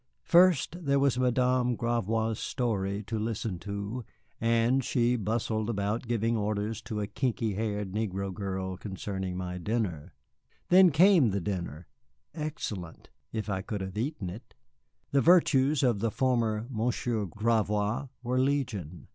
First, there was Madame Gravois' story to listen to as she bustled about giving orders to a kinky haired negro girl concerning my dinner. Then came the dinner, excellent if I could have eaten it. The virtues of the former Monsieur Gravois were legion.